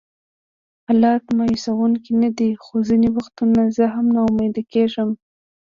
حالات مایوسونکي نه دي، خو ځینې وختونه زه هم ناامیده کېږم.